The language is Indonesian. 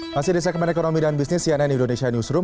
masih di segmen ekonomi dan bisnis cnn indonesia newsroom